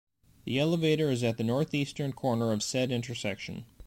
The elevator is at the northeastern corner of said intersection.